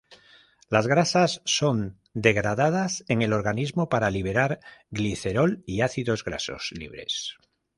Las grasas son degradadas en el organismo para liberar glicerol y ácidos grasos libres.